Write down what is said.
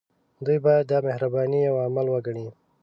دوی باید دا د مهربانۍ يو عمل وګڼي.